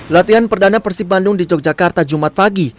latihan perdana persib bandung di yogyakarta jumat pagi